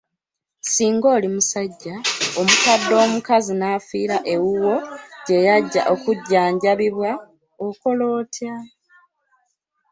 Singa oli musajja, omukadde omukazi n'afiira ewuwo gye yajja okujjanjabibwa okola otya?